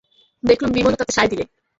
দেখলুম বিমলও তাতে সায় দিলে।